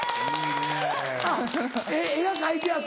あっ絵が描いてあって。